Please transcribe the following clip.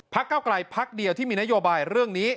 เก้าไกลพักเดียวที่มีนโยบายเรื่องนี้